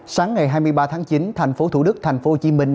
sáng ngày hai mươi ba tháng chín thành phố thủ đức thành phố hồ chí minh